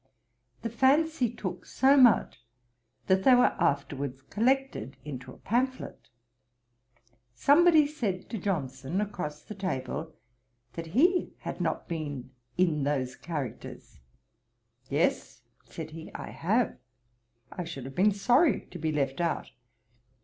The fancy took so much, that they were afterwards collected into a pamphlet. Somebody said to Johnson, across the table, that he had not been in those characters. 'Yes (said he) I have. I should have been sorry to be left out.'